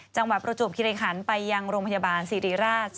จังหวัดประจวบคิริขันต์ไปยังโรงพยาบาลสีรีราช